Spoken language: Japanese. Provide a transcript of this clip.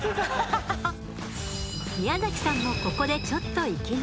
宮崎さんもここでちょっと息抜き。